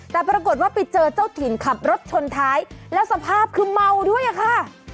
แต่ปรากฏว่าไปเจอเจ้าถิ่นขับรถชนท้ายแล้วสภาพคือเมาด้วยอะค่ะ